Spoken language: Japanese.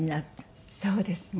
そうですね。